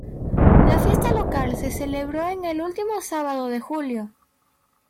La fiesta local se celebra el último sábado de julio.